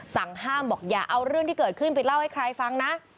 สั่งห้ามบอกอย่าเอาเรื่องที่เกิดขึ้นไปเล่าให้ใครฟังนะ